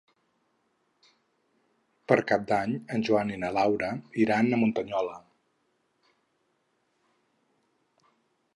Per Cap d'Any en Joan i na Laura iran a Muntanyola.